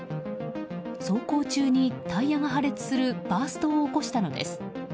走行中にタイヤが破裂するバーストを起こしたのです。